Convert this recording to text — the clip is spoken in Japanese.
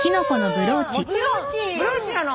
ブローチなの。